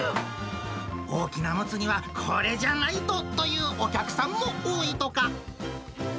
大きなもつ煮はこれじゃないとというお客さんも多いとか。